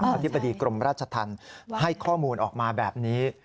ก็ที่พำทิบดีกรมราชท่านให้ข้อมูลออกมาแบบนี้